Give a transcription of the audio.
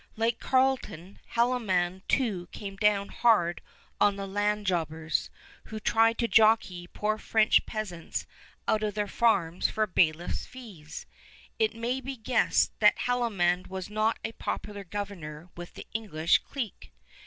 Like Carleton, Haldimand too came down hard on the land jobbers, who tried to jockey poor French peasants out of their farms for bailiff's fees. It may be guessed that Haldimand was not a popular governor with the English clique.